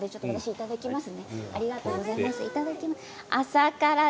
いただきます。